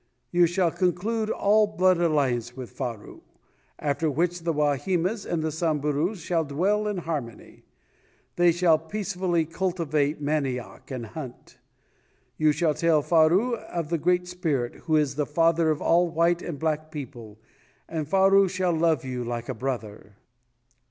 You shall conclude a blood alliance with Faru, after which the Wahimas and Samburus shall dwell in harmony; they shall peacefully cultivate manioc, and hunt. You shall tell Faru of the Great Spirit, who is the Father of all white and black people, and Faru shall love you like a brother."